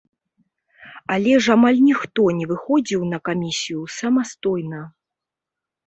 Але ж амаль ніхто не выходзіў на камісію самастойна.